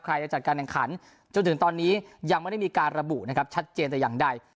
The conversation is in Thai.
จะจัดการแข่งขันจนถึงตอนนี้ยังไม่ได้มีการระบุนะครับชัดเจนแต่อย่างใด